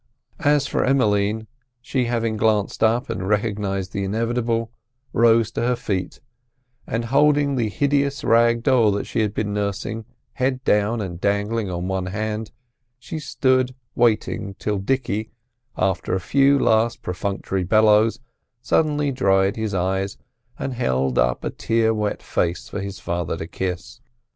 As for Emmeline, she having glanced up and recognised the inevitable, rose to her feet, and, holding the hideous rag doll she had been nursing, head down and dangling in one hand, she stood waiting till Dicky, after a few last perfunctory bellows, suddenly dried his eyes and held up a tear wet face for his father to kiss.